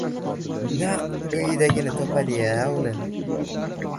Naq o‘yidagini topadi-ya uni